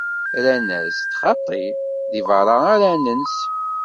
Rran-as-d: Xaṭi, di beṛṛa ara nens.